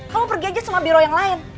kamu pergi aja sama biro yang lain